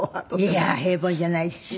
いや平凡じゃないですよ。